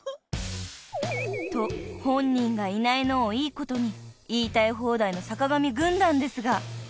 ［と本人がいないのをいいことに言いたい放題の坂上軍団ですが］